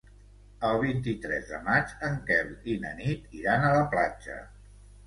El vint-i-tres de maig en Quel i na Nit iran a la platja.